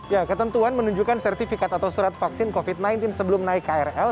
ya ketentuan menunjukkan sertifikat atau surat vaksin covid sembilan belas sebelum naik krl